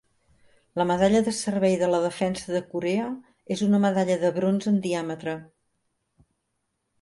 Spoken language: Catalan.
La medalla de servei de la defensa de Corea és una medalla de bronze en diàmetre.